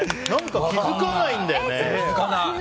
気づかないんだよね。